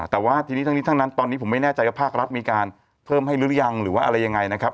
แต่ว่าทีนี้ทั้งนี้ทั้งนั้นตอนนี้ผมไม่แน่ใจว่าภาครัฐมีการเพิ่มให้หรือยังหรือว่าอะไรยังไงนะครับ